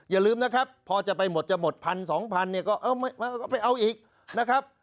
อย่าลืมนะครับพอจะไปหมดจะหมด๑๒๐๐เนี่ยก็ไปเอาอีกนะครับ